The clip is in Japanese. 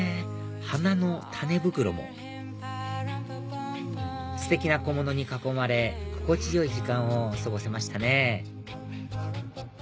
花の種袋もステキな小物に囲まれ心地良い時間を過ごせましたね